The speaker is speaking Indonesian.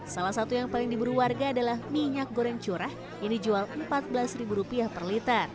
salah satu yang paling diburu warga adalah minyak goreng curah yang dijual rp empat belas per liter